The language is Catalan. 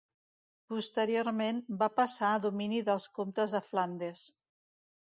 Posteriorment va passar a domini dels comtes de Flandes.